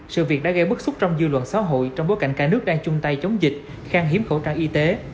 sự việc đã gây bức xúc trong dư luận xã hội trong bối cảnh cả nước đang chung tay chống dịch khang hiếm khẩu trang y tế